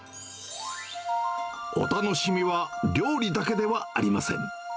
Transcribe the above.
お楽しみは料理だけではありません。